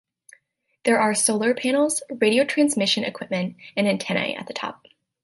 There are solar panels, radio transmission equipment, and antennae at the top.